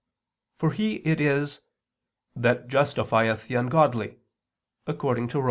For He it is "that justifieth the ungodly" according to Rom.